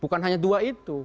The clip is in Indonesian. bukan hanya dua itu